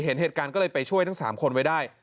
เห็นเหตุการณ์ก็เลยไปช่วยทั้ง๓คนไว้ได้